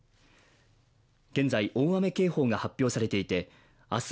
現在、大雨警報が発表されていて明日